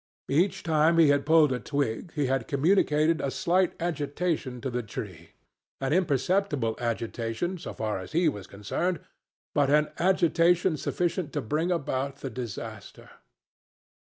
Each time he had pulled a twig he had communicated a slight agitation to the tree—an imperceptible agitation, so far as he was concerned, but an agitation sufficient to bring about the disaster.